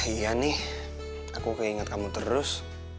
iya nih aku keinget kamu terus